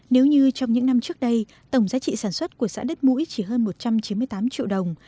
nếu như trong những năm trước đây tổng giá trị sản xuất của xã đất mũi chỉ hơn một trăm chín mươi tám triệu đồng